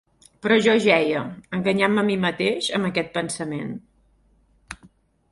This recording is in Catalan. Però jo jeia, enganyant-me a mi mateix amb aquest pensament.